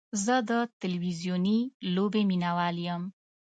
زه د تلویزیوني لوبې مینهوال یم.